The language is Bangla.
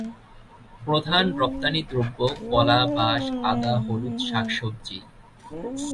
প্রধান রপ্তানি দ্রব্য কলা, বাঁশ, আদা, হলুদ, শাকসবজি।